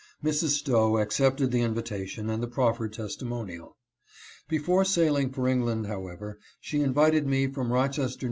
Mrs. Stowe accepted the invitation and the proffered testimonial. Before sailing for England, however, she invited me from Rochester, N.